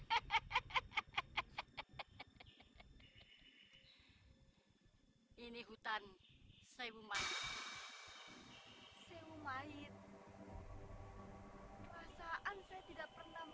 terus gimana bu pak